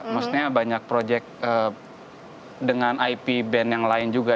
maksudnya banyak proyek dengan ip band yang lain juga